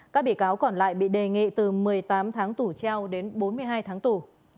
các bị cáo còn lại bị đề nghị từ một mươi tám tháng tù treo đến bốn mươi hai tháng tù